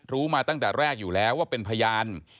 รู้มาตั้งแต่แรกอยู่แล้วว่าเป็นพยาน